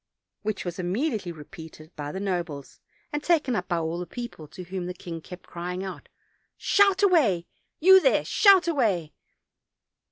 which was immediately repeated by the nobles, and taken up by all the people, to whom the king kept crying out: "Shout away, you there, shout away!"